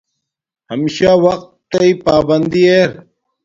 ہمشہ وقت تݵ پابندی ار